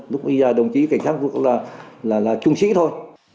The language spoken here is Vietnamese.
lúc bây giờ đồng chí cảnh sát vụ là trung sĩ thôi